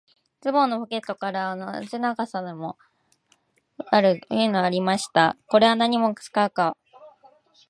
ズボンのポケットからは、長さ人間ほどもある、鉄の筒がありました。これは何に使うのかわかりません。